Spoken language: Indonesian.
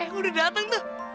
eh udah dateng tuh